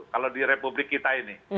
kalau di republik kita ini